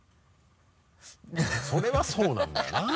それはそうなんだよな。